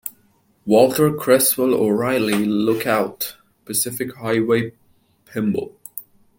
Walter Cresswell O'Reilly lookout, Pacific Highway, Pymble.